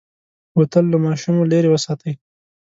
بوتل له ماشومو لرې وساتئ.